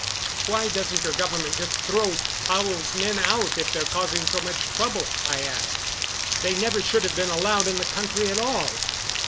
"Why doesn't your government just throw Tao's men out if they're causing so much trouble?" I asked. "They never should have been allowed in the country at all."